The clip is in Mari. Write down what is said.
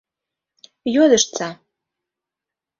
— Йодыштса.